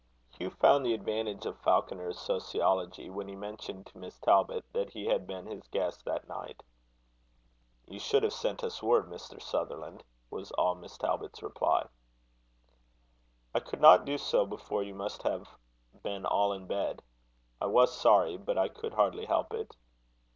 Hugh found the advantage of Falconer's sociology when he mentioned to Miss Talbot that he had been his guest that night. "You should have sent us word, Mr. Sutherland," was all Miss Talbot's reply. "I could not do so before you must have been all in bed. I was sorry, but I could hardly help it."